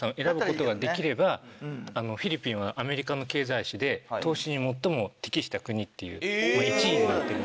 フィリピンはアメリカの経済誌で投資に最も適した国っていう１位になってる。